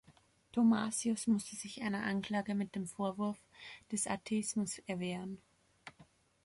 Thomasius musste sich einer Anklage mit dem Vorwurf des Atheismus erwehren.